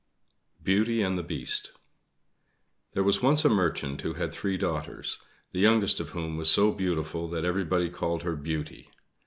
BEAUTY AND THE BEAST There was once a Merchant who had three daughters, the youngest of whom was so beautiful that everybody called her Beauty.